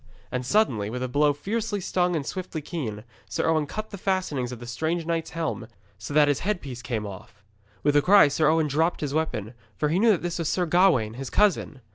And suddenly with a blow fiercely strong and swiftly keen, Sir Owen cut the fastenings of the strange knight's helm, so that the headpiece came off. With a cry Sir Owen dropped his weapon, for he knew that this was Sir Gawaine, his cousin.